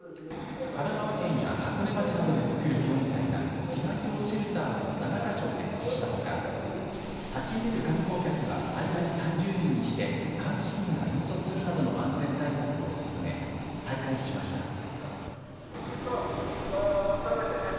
神奈川県や箱根町などで作る協議会が避難用シェルターを７か所設置したほか、立ち入れる観光客は最大３０人にして監視員が引率するなどの安全対策を進め再開しました。